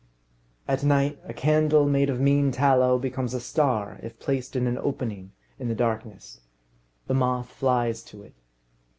At night, a candle made of mean tallow becomes a star if placed in an opening in the darkness. The moth flies to it.